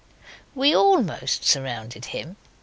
We almost surrounded him.